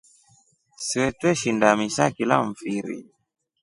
Swee tweshinda misa kila mfiri.